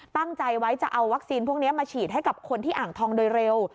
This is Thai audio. ตั้งใจไว้จะเอาวัคซีนพวกนี้มาฉีดให้กับคนที่อ่างทองโดยเร็ว